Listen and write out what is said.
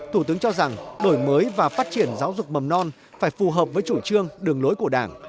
thủ tướng cho rằng đổi mới và phát triển giáo dục mầm non phải phù hợp với chủ trương đường lối của đảng